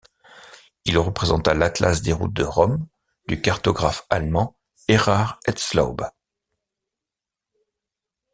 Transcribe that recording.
Il représenta l'Atlas des routes de Rome du cartographe allemand Erhard Etzlaub.